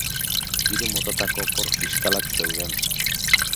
Hiru motatako opor fiskalak zeuden.